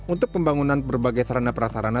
untuk pembangunan berbagai sarana prasarana